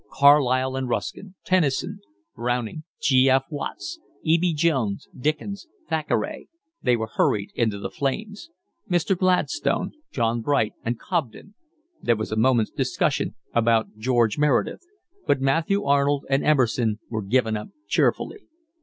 Carlyle and Ruskin, Tennyson, Browning, G. F. Watts, E. B. Jones, Dickens, Thackeray, they were hurried into the flames; Mr. Gladstone, John Bright, and Cobden; there was a moment's discussion about George Meredith, but Matthew Arnold and Emerson were given up cheerfully.